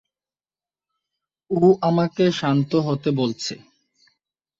ও আমাকে শান্ত হতে বলছে।